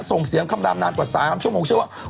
ส่งเสียงคำรามนานกว่า๓ชั่วโมงเชื่อว่า